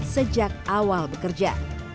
sejak awal bekerja